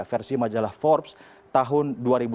versi majalah forbes tahun dua ribu sembilan